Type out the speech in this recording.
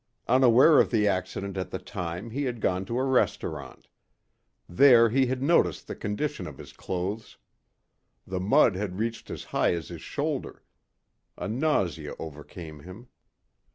Unaware of the accident at the time he had gone to a restaurant. There he had noticed the condition of his clothes. The mud had reached as high as his shoulder. A nausea overcome him.